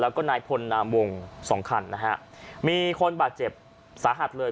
แล้วก็นายพลนามวงสองคันนะฮะมีคนบาดเจ็บสาหัสเลย